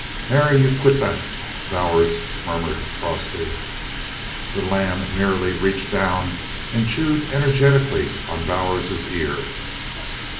"Mary! You quit that!" Bowers murmured crossly. The lamb merely reached down and chewed energetically on Bowers's ear.